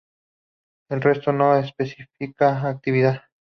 El resto no especifica actividad.